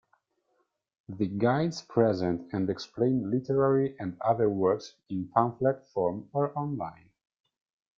The guides present and explain literary and other works in pamphlet form or online.